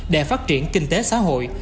để phát triển kinh tế xã hội